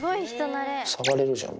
触れるじゃん。